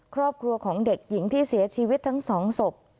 ครอบครัวของเด็กหญิงที่เสียชีวิตทั้งสองศพ